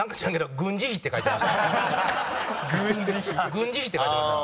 「軍事費」って書いてました。